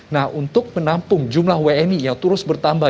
nah untuk menampung jumlah wni yang terus bertambah